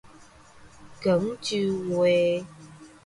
廣州話